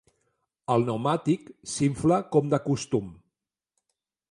El pneumàtic s'infla com de costum.